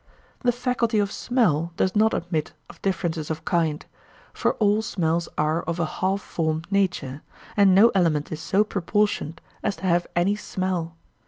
The faculty of smell does not admit of differences of kind; for all smells are of a half formed nature, and no element is so proportioned as to have any smell.